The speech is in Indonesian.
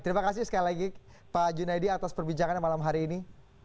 terima kasih sekali lagi pak junaidi atas perbincangannya malam hari ini